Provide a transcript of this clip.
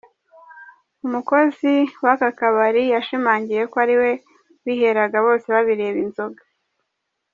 Umukozi w’aka kabari yashimangiye ko ari we wiheraga Bosebabireba inzoga.